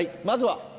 まずは？